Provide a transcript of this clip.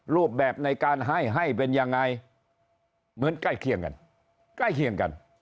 รูปแบบในการให้ให้เป็นยังไงเหมือนใกล้เคียงกันใกล้เคียงกัน